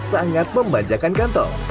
sangat membajakan kantong